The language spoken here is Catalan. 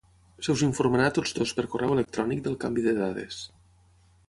Se us informarà a tots dos per correu electrònic del canvi de dades.